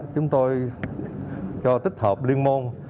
chúng tôi cho tích hợp liên môn